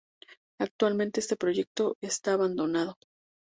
Actualmente este proyecto está abandonado.